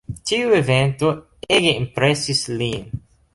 Tiu evento ege impresis lin.